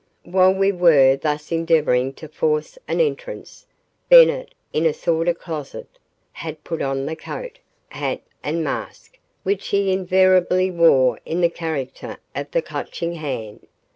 While we were thus endeavoring to force an entrance, Bennett, in a sort of closet, had put on the coat, hat and mask which he invariably wore in the character of the Clutching Hand.